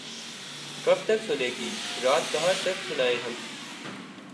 کب تک سنے گی رات کہاں تک سنائیں ہم